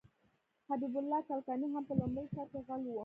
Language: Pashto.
حبیب الله کلکاني هم په لومړي سر کې غل و.